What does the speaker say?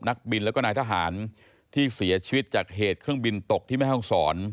นักบินแล้วก็นายทหารที่เสียชีวิตจากเหตุเครื่องบินตกที่แม่ห้องศร